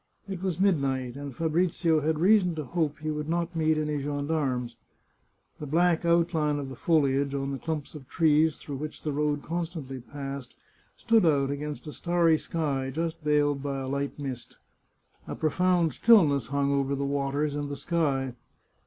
It was midnight, and Fabrizio had reason to hope he would not meet any gendarmes. The black outline of the foliage on the clumps of trees through which the road constantly passed stood out against a starry sky, just veiled by a light mist. A profound stillness hung over the waters and the sky.